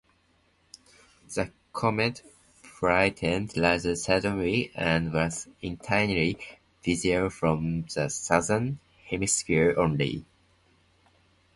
The comet brightened rather suddenly, and was initially visible from the southern hemisphere only.